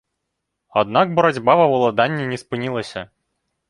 Аднак барацьба ва ўладанні не спынілася.